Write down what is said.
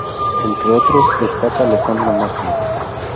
Entre otros destaca Alejandro Magno.